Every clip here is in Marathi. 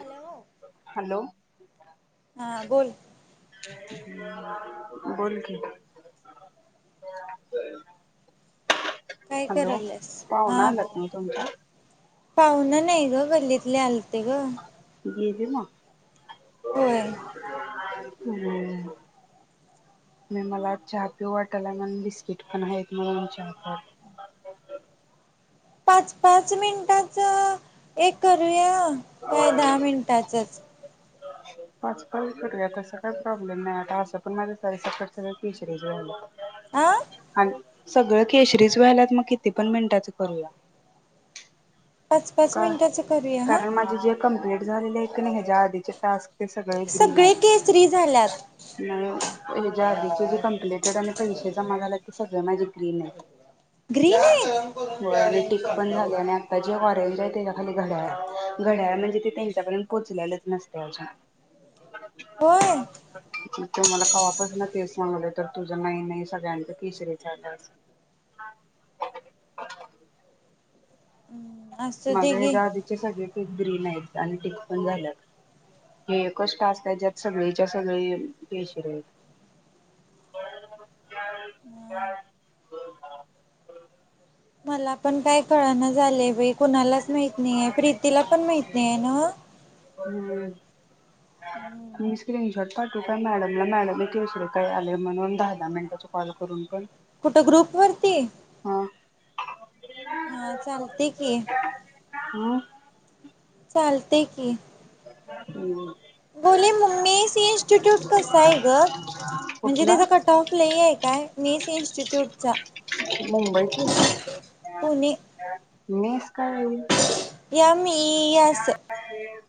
हॅलो. हॅलो हा बोल बोल की काय हॅलो करालस हा पाहुणा आलात बोल ना तुमच्या पाहुने नाही ग गल्लीतले आले ग गेले म? होय हो म मला चहा पिऊ वाटाय लागला अन बिस्किट पण आहेत आमच्या कडे पाच पाच मिनिटाच एक करूया काय दहा मिनिटाचच पाच पण करूया तस काय प्रॉब्लेम नाही आता असं पण माझ तीसरे झाले आं सगळं केशरीच व्हायलात मग किती पण मिनटाचं करूया पाच- पाच का मिनिटाचं करूया हा कारण माझे जे कंप्लीट झालेले कणी हेजा आधीचे टास्क सगळे येतील सगळे केसरी झाल्यात यात याच्या आधीचे जे कम्प्लीट आणि पैसे जमा झाले ते सगळं माझ ग्रीन आहेत ग्रीन आहेत हो आणि टीक पण झाले आणि आता जे ऑरेंज ते पहा ना घड्याळ घड घड्याळ म्हण नाही त्यापर्यंत पोचलेलेच नसते अजून होय त मला का वापस ना तेच सांगलं तर तुझ जमा नाही सगळया तर किसरे झाल्या हम्म माघ यांच्या आधीचे सगळे ग्रीन आहेत आणि टीक पण झाल्यात, हे कष्ट अस काय ज्यात सगळीच्या सगळे केशरी आहेत मला पण काय कळण झालंय बाय कुणालाच माहित नाही आहे प्रीतीला पण माहित नाहीय ना रिकामा ऑडिओ स्क्रीनशॉट पाठवू का मॅडमला मॅडम एक केसरी काय आलय म्हणून दहा दहा मिनिटाच कॉल करून पण कुठ ग्रुप वरती? हा हा चालते की रिकामा ऑडिओ चालतय की, रिकामा ऑडिओ बोले मग मेस इन्स्टिट्यूट कस आहे ग, म्हणजे कुठला त्याचा कट ऑफ लय आहे काय मेस इन्स्टिट्यूट मुंबईची पुणे रिकामा ऑडिओ काय या [unintelligible] मी S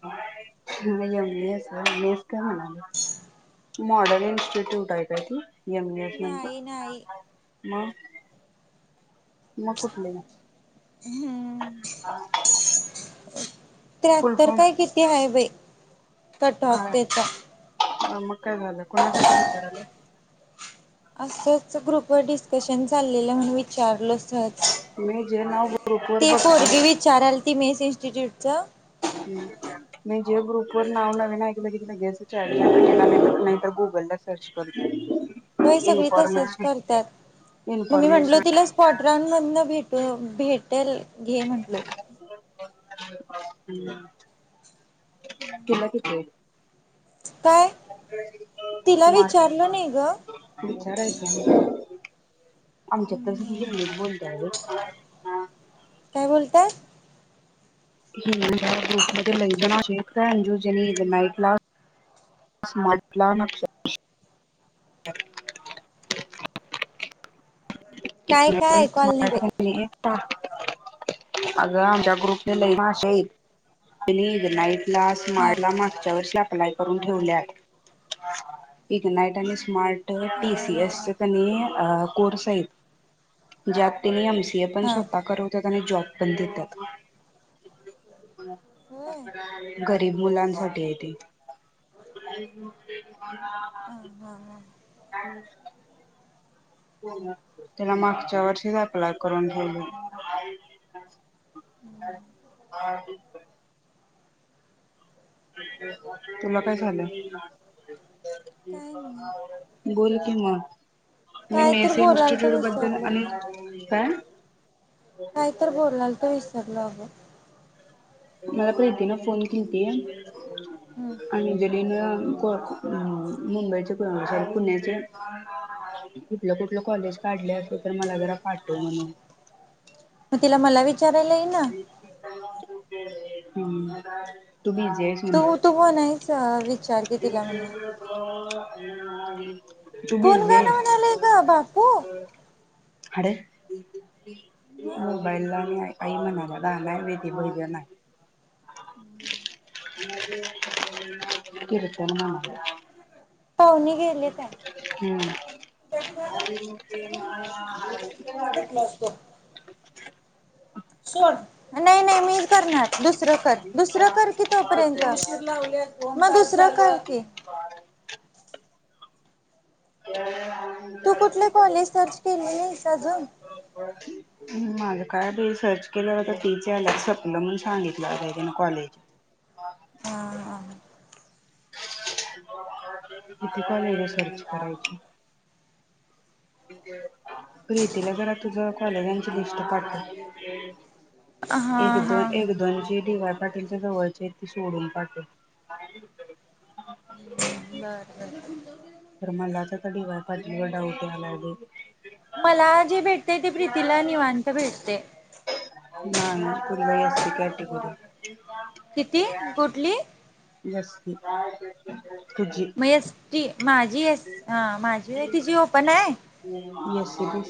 M A S M S काय म्हणाले मॉडल इन्स्टिट्यूट हाय काय ते नाही नाही. मग मग कुठलं ग हूंअं [unintelligible] [unintelligible] त्र्याहत्तर फुलफॉर्म काय किती हाय बई कट ऑप तेचा हा मग. काय झालं कोणासाठी विचारायला असंच ग्रुप वर डिस्कशन चाललेलं म्हणून विचारल सहज मी जे नाव ग्रुप वर ती बघतोय पोरगी विचारालती मेस इनस्टिट्यूट ज हम नाही जे ग्रुप वर नाव नवीन आहे की लगेच चाट जी पी टी नाही तर गुगल ला सर्च करते. व्हय सगळी तसच म्हणत्यात म मी म्हणलो इन्फॉर्मेशन तीला स्पॉट रॅन मधन भेट हं भेटल ये म्हटलो. [unintelligible] तुला किती हाये काय तिला [inaudible] विचारलं नाही मार्क ग विचारायच मग. आमच्यात तसबी हम्म हिंदीत बोलत्यात ग आं काय बोलताय [inaudible] ग्रुपमध्ये लय जण असे हायेत [unintelligible] असं म्हटला म्हटलं. [unintelligible] [unintelligible] काय काय ऐकू आलं नाही बाई [unintelligible] अग आमच्या ग्रुपने लई भाषा हाईत [unintelligible] नाईट क्लास हा माडला मागच्या वर्ष लॅप लाई करून ठेवल्यात [unintelligible] एक नाईट आणि स्मार्ट हा टी सी हा एस च हा कणी अ कोड्स् व्हय ज्यातेनियमस ते पण हा स्वतः करवत्यात आणि जॉब पण देत्यात. होय हा [inaudible] गरीब मुलांसाठी हाय ते. [inaudible] हा हा [unintelligible] तेला माक - - च्या वर्षीच अप्लाय करून ठेवलोय. तुला काय झालय? काय नाही बोल कि म मी काय तर मेसे बोलाल तर इन्स्टिट्यूट बद्दल विसरलो आणि काय? काय तर बोलालतो अगं विसरलो अगं निवांत मला प्रीतीन फोन केलतिया हम्म अंजलीन कोण हा मुंबईचे प पुण्याचे कुठलं कुठलं कॉलेज काढले असते तर मला जरा पाठव म्हणून म तिला मला वी [inaudible] ह तू तू म्हणायच विचार की तिला म्हणून [unintelligible] [unintelligible] कोण गाण म्हणालय ग बापू? हाडे [unintelligible] मग मोबाईल लावलाय आई म्हणाली गाण हाय होय ते नाह बोललो नाय [unintelligible] पाव्हणी गेली काय? फोडणी भाज हा शिजवून शिजवून घेतलो असतो सोड नाही नाही मीच करणार दुसरं कर दुसरं कर कि तोपर्यंत किती उशीर लावल्यास मग दुसरं कर की [unintelligible] तू कुठल्या कॉलेज सर्च केली नाहीस अजून कायबाई सर्च केलं होत तेच यायल्यात सपलं म्हणून सांगितल्यात आता त्यान कॉलेज हा [inaudible] कुठ आलय सर्च करायची [unintelligible] प्रीतीला जरा तुझ कॉलेजांची लिस्ट पाठव हा एक दोन हा एक दोन पाटीलच्या जवळचे ती सोडून पाठव हम्म बर बर तर मलाच आता डी वाई पाटील वर डाऊट यायला बग मला जे भेटते ते प्रीतीला निवांत भेटतय नाही [unintelligible] असती कॅटेगरी किती? कुठली? ती मग एस टी माझी एस आ माझी होय तिची ओपन हाय. एस सी बी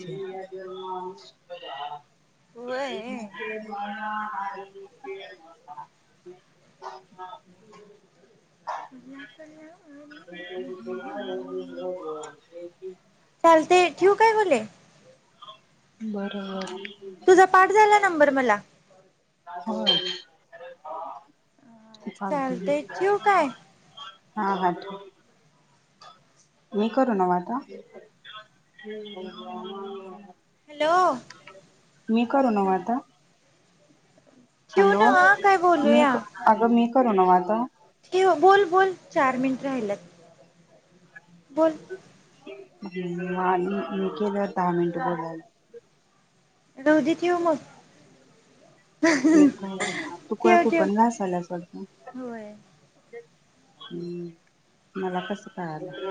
[inaudible] होय [inaudible] [inaudible] भ्या कल्याव [inaudible] चालते ठेवू काय बोले बरोबर तुझा पाठ झाला नंबर मला. ह चालतंय चालते की ठेवू काय हा हा ठेव. मी करू नव आता हॅलो मी करू नव आता. ठेवू हॅलो नव काय मी बोलूया? अगं मी करू नव आता? बोल बोल चार मिनट राहिल्यात. बोल म आणि मी केल्यावर दहा मिनिटं बोलायला. रहु दे कि ओ मग एक तू काय ठेव ठेव कुपण घासाल्यास वाटतं? होय हम्म मला कसं कळालं?